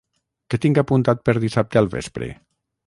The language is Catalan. Què tinc apuntat per dissabte al vespre?